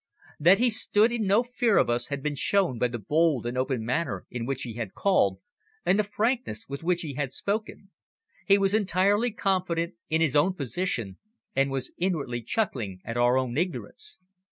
That he stood in no fear of us had been shown by the bold and open manner in which he had called, and the frankness with which he had spoken. He was entirely confident in his own position, and was inwardly chuckling at our own ignorance.